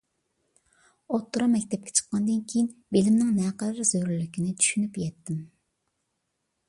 ئوتتۇرا مەكتەپكە چىققاندىن كېيىن، بىلىمنىڭ نەقەدەر زۆرۈرلۈكىنى چۈشىنىپ يەتتىم.